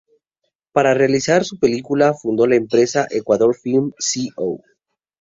Para realizar su película, fundó la empresa "Ecuador Film Co.